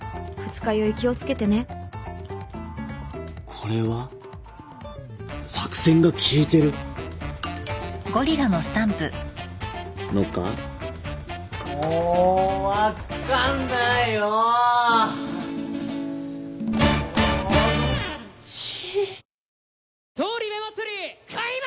これは作戦が効いてる？のか？も分っかんないよ！もどっち。